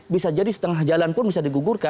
bisa jadi setengah jalan pun bisa digugurkan